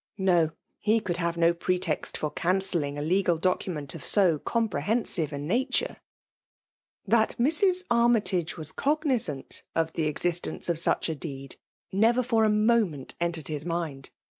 No! he could have no pretext for cancelling a legal document of so compre hensive a nature ! That Mrs. Armytage was cognisant of the ienstence of such a deed, never for a moment sntered his mind.